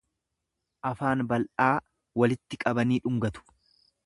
Afaan bal'aa walitti qabanii dhungatu.